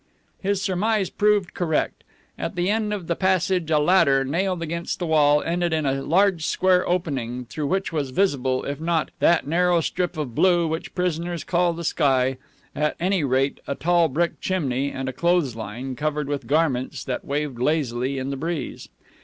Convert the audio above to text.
His surmise proved correct. At the end of the passage a ladder, nailed against the wall, ended in a large square opening, through which was visible, if not "that narrow strip of blue which prisoners call the sky," at any rate a tall brick chimney and a clothesline covered with garments that waved lazily in the breeze.